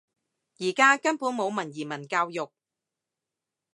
而家根本冇文言文教育